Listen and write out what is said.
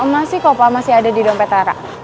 masih kok papa masih ada di dompet rara